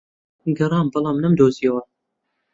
گەڕام، بەڵام نەمدۆزییەوە.